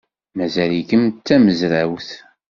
Mazal-ikem d tamezrawt?